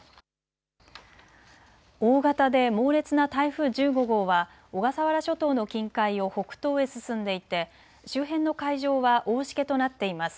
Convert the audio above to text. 大型で猛烈な台風１５号は小笠原諸島の近海を北東へ進んでいて周辺の海上は大しけとなっています。